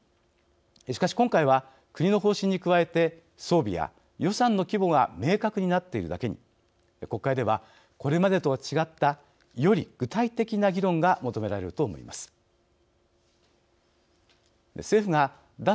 しかし、今回は国の方針に加えて装備や予算の規模が明確になっているだけに国会では、これまでとは違ったより具体的な議論が求められると思います。